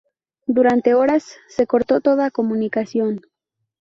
Durante horas se cortó toda comunicación.